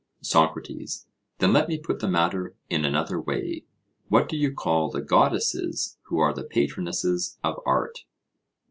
SOCRATES: Then let me put the matter in another way: what do you call the Goddesses who are the patronesses of art?